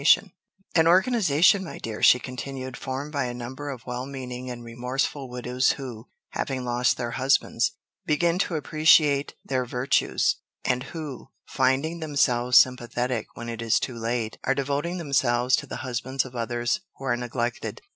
[Illustration: "'THE BABY IS ROCKED TO SLEEP EVERY NIGHT'"] "An organization, my dear," she continued, "formed by a number of well meaning and remorseful widows who, having lost their husbands, begin to appreciate their virtues, and who, finding themselves sympathetic when it is too late, are devoting themselves to the husbands of others who are neglected.